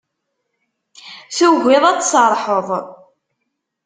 Tugiḍ ad tserrḥeḍ.